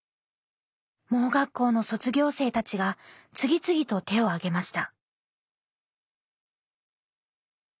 盲学校の卒業生たちが次々と手を挙げました。